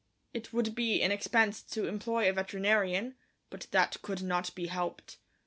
It would be an expense to employ a veterinarian, but that could not be helped.